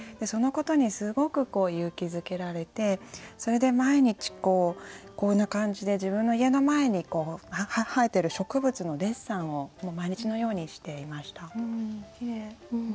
そのことにすごく勇気づけられてそれで毎日こうこんな感じで自分の家の前に生えてる植物のデッサンを毎日のようにしていました。